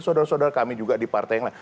saudara saudara kami juga di partai yang lain